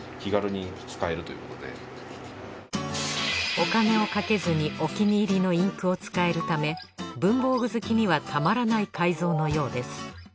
お金をかけずにお気に入りのインクを使えるため文房具好きにはたまらない改造のようです